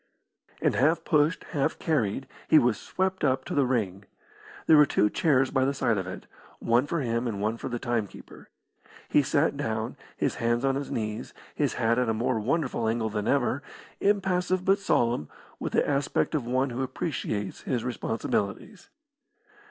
And half pushed, half carried, he was swept up to the ring. There were two chairs by the side of it, one for him and one for the timekeeper. He sat down, his hands on his knees, his hat at a more wonderful angle than ever, impassive but solemn, with the aspect of one who appreciates his responsibilities.